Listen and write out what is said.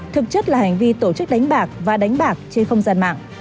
thực chất là hành vi tổ chức đánh bạc và đánh bạc trên không gian mạng